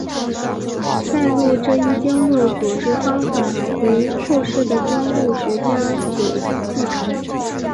代录这一经录组织方法为后世的经录学家所继承。